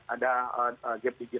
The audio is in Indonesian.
ada jangka pendidikan